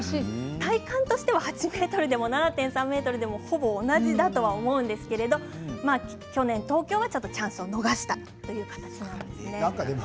体感としては８ｍでも７．３ｍでもほぼ同じだと思うんですが去年東京はちょっとチャンスを逃したということですね。